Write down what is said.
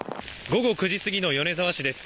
午後９時過ぎの米沢市です。